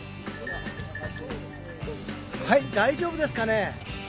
はい大丈夫ですかね？